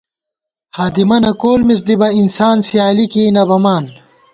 ہادِمَنہ کول مِز دِبہ ، انسان سیالی کېئی نَہ بَمان